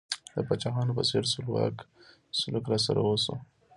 د پاچاهانو په څېر سلوک راسره وشو.